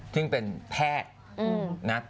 ซึ่งเป็นแพทย์นะ